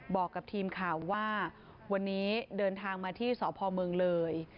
บอกกับทีมข่าวว่าวันนี้เดินทางมาที่สพเมืองเลย